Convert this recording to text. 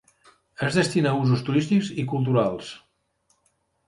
Es destina a usos turístics i culturals.